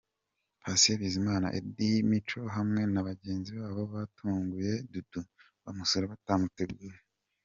Patient Bizimana, Eddy Mico hamwe na bagenzi babo batunguye Dudu bamusura batamuteguje.